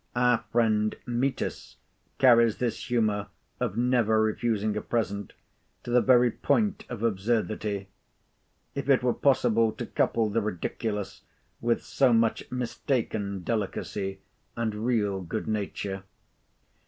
Our friend Mitis carries this humour of never refusing a present, to the very point of absurdity—if it were possible to couple the ridiculous with so much mistaken delicacy, and real good nature.